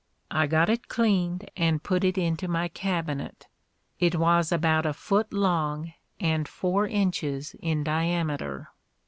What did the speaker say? I got it cleaned, and put it into my cabinet. It was about a foot long and four inches in diameter.